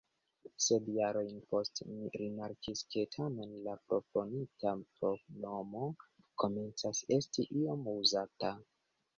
Sed jarojn poste mi rimarkis, ke tamen la proponita pronomo komencas esti iom uzata.